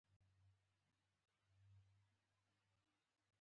اوس چی خصم د افغان شو، په سرو زرو کی ډوبيږی